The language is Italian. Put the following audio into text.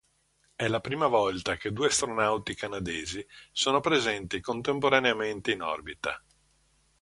È la prima volta che due astronauti canadesi sono presenti contemporaneamente in orbita.